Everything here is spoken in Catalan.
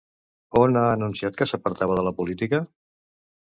On ha enunciat que s'apartava de la política?